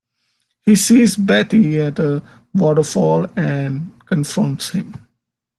He sees Betty at a waterfall and confronts him.